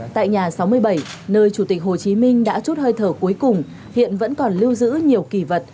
tại nhà sáu mươi bảy nơi chủ tịch hồ chí minh đã chút hơi thở cuối cùng hiện vẫn còn lưu giữ nhiều kỳ vật